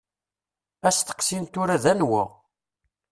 Asteqsi n tura d anwa.